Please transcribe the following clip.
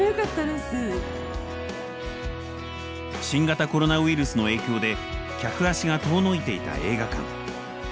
新型コロナウイルスの影響で客足が遠のいていた映画館。